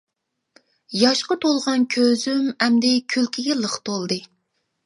ياشقا تولغان كۆزۈم ئەمدى كۈلكىگە لىق تولدى.